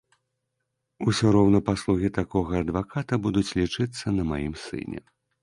Усё роўна паслугі такога адваката будуць лічыцца на маім сыне.